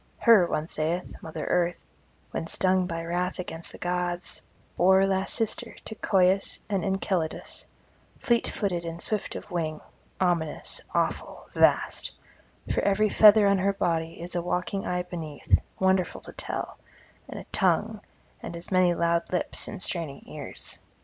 Her, one saith, Mother Earth, when stung by wrath against the gods, bore last sister to Coeus and Enceladus, fleet footed and swift of wing, ominous, awful, vast; for every feather on her body is a waking eye beneath, wonderful to tell, and a tongue, and as many loud lips and straining ears.